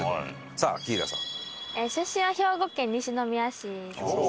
さあ紀平さん。